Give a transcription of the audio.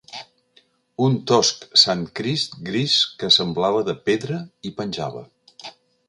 Un tosc santcrist gris que semblava de pedra hi penjava.